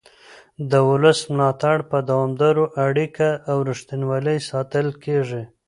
د ولس ملاتړ په دوامداره اړیکه او رښتینولۍ ساتل کېږي